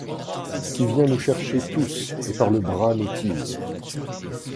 Qui vient nous chercher tous et par le bras nous tire